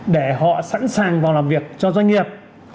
để họ sẵn sàng vào làm việc cho doanh nghiệp